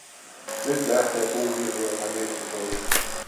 Nyt lähtee puuhirviöltä nirri pois.